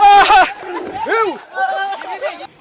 ว้าวว้าว